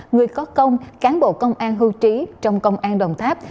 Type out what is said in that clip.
người có công cán bộ công an hưu trí trong công an đồng tháp